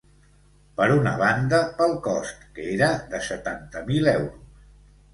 Per una banda, pel cost, que era de setanta mil euros.